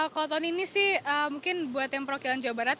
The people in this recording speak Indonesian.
kalau tahun ini sih mungkin buat yang perwakilan jawa barat